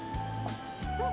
うん。